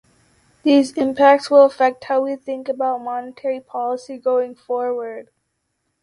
These impacts will affect how we think about monetary policy going forward.